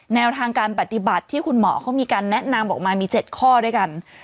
แนวทางการปฏิบัติที่คุณหมอเขามีการแนะนำออกมามี๗ข้อด้วยกัน